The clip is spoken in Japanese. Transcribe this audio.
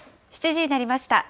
７時になりました。